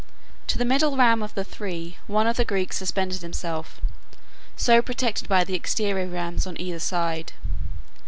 To the middle ram of the three one of the Greeks suspended himself, so protected by the exterior rams on either side.